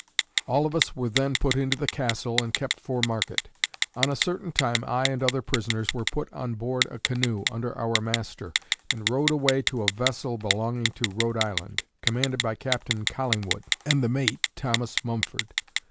All of us were then put into the castle, and kept for market. On a certain time I and other prisoners were put on board a canoe, under our master, and rowed away to a vessel belonging to Rhode Island, commanded by capt. Collingwood, and the mate Thomas Mumford.